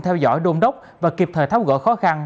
theo dõi đôn đốc và kịp thời tháo gỡ khó khăn